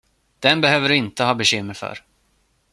Den behöver du inte ha bekymmer för.